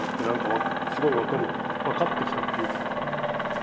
なんかすごい分かる分かってきたっていうか。